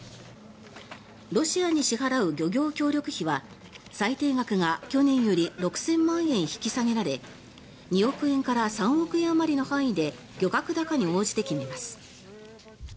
ロシアに支払う漁業協力費は最低額が去年より６０００万円引き下げられ２億円から３億円あまりの範囲で漁獲高に応じて決めます。